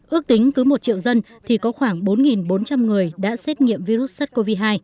ước tính cứ một triệu dân thì có khoảng bốn bốn trăm linh người đã xét nghiệm virus sars cov hai